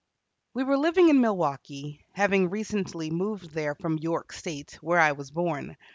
We were living in Milwaukee, having recently moved there from York State, where I was born.